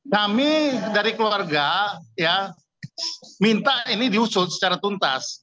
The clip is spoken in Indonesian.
kami dari keluarga ya minta ini diusut secara tuntas